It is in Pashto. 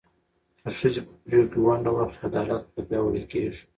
که ښځې په پرېکړو کې ونډه واخلي، عدالت لا پیاوړی کېږي.